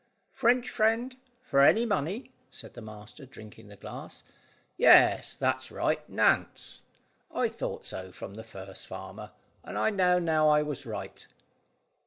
"French friend, for any money," said the master, drinking the glass. "Yes, that's right Nantes. I thought so from the first, farmer, and I know now I was right."